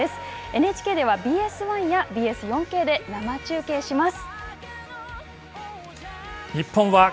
ＮＨＫではＢＳ１やＢＳ４Ｋで生中継します。